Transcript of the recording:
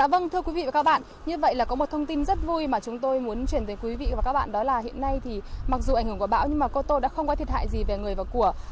vâng thưa quý vị và các bạn như vậy là có một thông tin rất vui mà chúng tôi muốn chuyển tới quý vị và các bạn đó là hiện nay thì mặc dù ảnh hưởng của bão nhưng mà cô tô đã không có thiệt hại gì về người và của